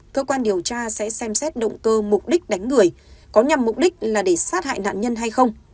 cơ quan điều tra sẽ xem xét động cơ mục đích đánh người có nhằm mục đích là để sát hại nạn nhân hay không